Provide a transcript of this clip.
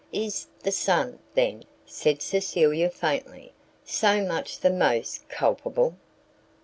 "Is the son, then," said Cecilia faintly, "so much the most culpable?"